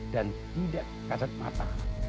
dan tidak kasat mata